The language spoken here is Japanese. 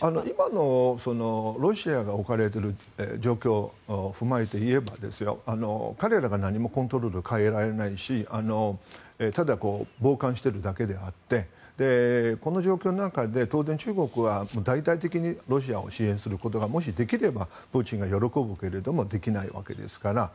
今のロシアが置かれている状況を踏まえて言えば彼らが何もコントロール変えられないしただ傍観しているだけであってこの状況の中で当然中国は大々的にロシアを支援することがもし、できればプーチンが喜ぶけれどもできないわけですから。